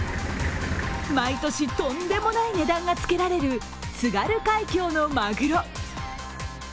毎年、とんでもない値段がつけられる津軽海峡のまぐろ。